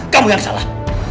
kamu yang salah